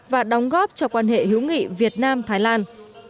và đóng góp cho quan hệ hữu nghị việt nam thái lan